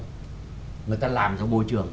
người ta làm ra môi trường